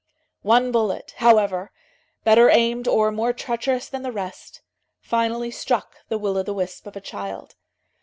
One bullet, however, better aimed or more treacherous than the rest, finally struck the will o' the wisp of a child.